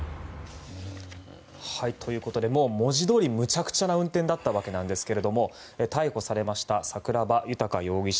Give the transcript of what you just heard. ということで文字どおり無茶苦茶な運転だったわけなんですが逮捕された桜庭豊容疑者。